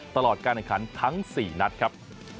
ตลอดการคันทั้ง๔นัดครับ